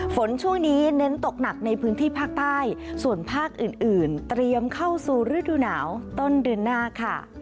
ฝนช่วงนี้เน้นตกหนักในพื้นที่ภาคใต้ส่วนภาคอื่นเตรียมเข้าสู่ฤดูหนาวต้นเดือนหน้าค่ะ